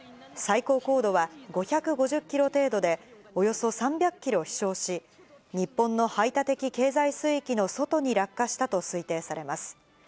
最高高度は５５０キロ程度で、およそ３００キロ飛しょうし、日本の排他的経済水域の外に落下したと推定されます。